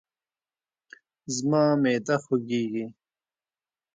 زما معده خوږیږي